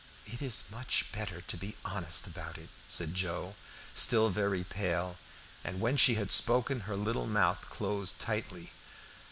"It is much better to be honest about it," said Joe, still very pale; and when she had spoken, her little mouth closed tightly.